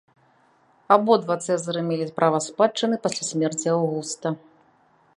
Абодва цэзары мелі права спадчыны пасля смерці аўгуста.